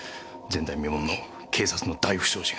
前代未聞の警察の大不祥事が。